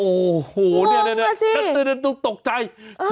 โอหูโอ้ตกใจ